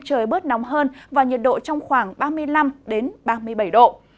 trời bớt nóng hơn và nhiệt độ trong khoảng ba mươi năm ba mươi bảy độ